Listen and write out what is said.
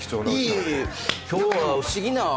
いえいえ今日は不思議な。